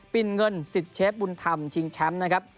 ินเงินสิทธิ์เชฟบุญธรรมชิงแชมป์นะครับ